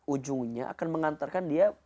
ujungnya akan mengantarkan dia